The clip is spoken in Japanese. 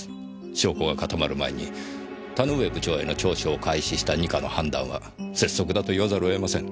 証拠が固まる前に田ノ上部長への聴取を開始した二課の判断は拙速だと言わざるをえません。